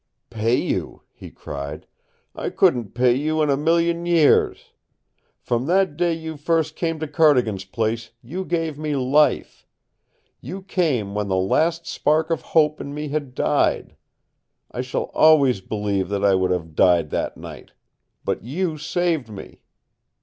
"Pay you?" he cried. "I couldn't pay you in a million years! From that day you first came to Cardigan's place you gave me life. You came when the last spark of hope in me had died. I shall always believe that I would have died that night. But you saved me.